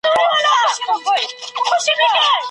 که ټولنه ويده وي سياستوال ورڅخه ناسمه ګټه پورته کوي.